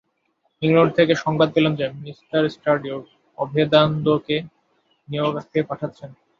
England থেকে সংবাদ পেলাম যে, মি স্টার্ডি অভেদানন্দকে নিউ ইয়র্কে পাঠাচ্ছেন।